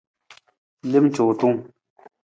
Lem cuutung.